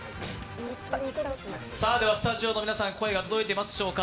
スタジオの皆さん、声が届いているでしょうか？